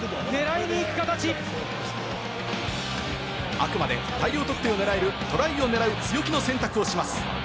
あくまで大量得点を狙えるトライを狙う、強気の選択をします。